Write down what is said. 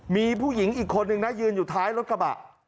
มีผู้หญิงอีกคนนึงนะยืนอยู่ท้ายรถกระบะ